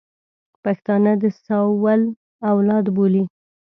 پښتانه د ساول اولاد بولي.